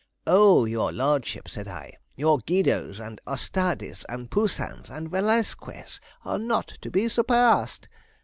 "Oh, your lordship," said I, "your Guidos, and Ostades, and Poussins, and Velasquez, are not to be surpassed."